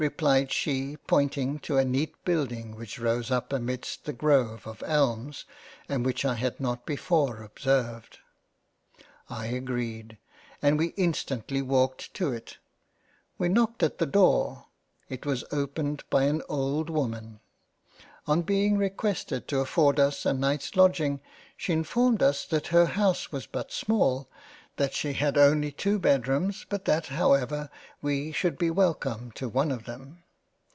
(replied she pointing to a neat Building which rose up amidst the grove of Elms and which I had not before observed —) I agreed and we in stantly walked to it — we knocked at the door — it was opened by an old woman ; on being requested to afford us a Night's Lodging, she informed us that her House was but small, that she had only two Bedrooms, but that However we should be wellcome to one of them.